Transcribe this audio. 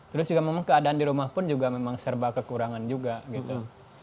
terus juga memang keadaan di rumah pun juga memang serba kekurangan juga gitu